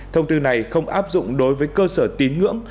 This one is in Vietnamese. thông tư này không áp dụng đối với cơ sở tín ngưỡng